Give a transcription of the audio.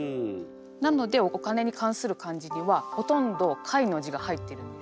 なのでお金に関する漢字にはほとんど「貝」の字が入ってるんです。